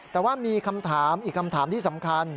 แต่ว่ามีคำถามอีกคำถามที่สำคัญ